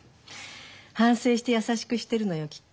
反省して優しくしてるのよきっと。